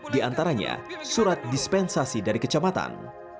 di antaranya surat dispensasi dari kecamatan